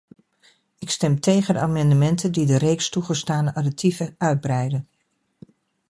Ik stem tegen de amendementen die de reeks toegestane additieven uitbreiden.